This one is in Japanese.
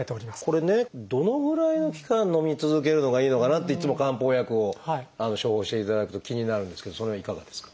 これねどのぐらいの期間のみ続けるのがいいのかなっていつも漢方薬を処方していただくと気になるんですけどそれはいかがですか？